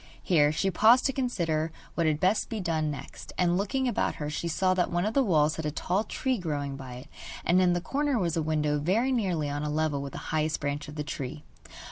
Here she paused to consider what had best be done next, and looking about her she saw that one of the walls had a tall tree growing by it, and in the corner was a window very nearly on a level with the highest branches of the tree.